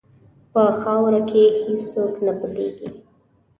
په خاوره کې هېڅ څوک نه پټیږي.